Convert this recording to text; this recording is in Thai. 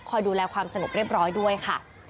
ดูแลความสงบเรียบร้อยด้วยค่ะ